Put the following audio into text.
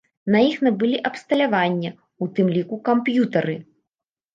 На іх набылі абсталяванне, у тым ліку камп'ютары.